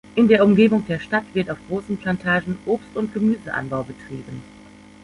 In der Umgebung der Stadt wird auf großen Plantagen Obst- und Gemüseanbau betrieben.